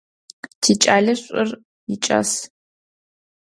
Тикӏалэ шӏур икӏас.